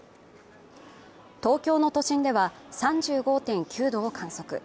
東京の都心では３５．９度を観測。